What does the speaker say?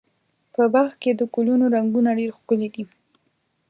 په باغ کې د ګلونو رنګونه ډېر ښکلي دي.